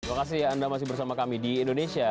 terima kasih anda masih bersama kami di indonesia